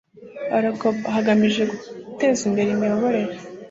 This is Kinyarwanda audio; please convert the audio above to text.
rgb hagamijwe guteza imbere imiyoborere